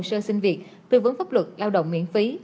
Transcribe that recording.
sơ sinh việc tư vấn pháp luật lao động miễn phí